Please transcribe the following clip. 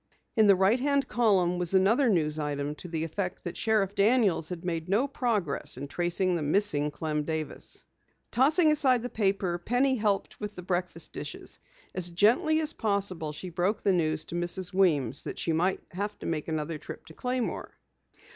In the right hand column was another news item to the effect that Sheriff Daniels had made no progress in tracing the missing Clem Davis. Tossing aside the paper, Penny helped with the breakfast dishes. As gently as possible she broke the news to Mrs. Weems that she might make another trip to Claymore.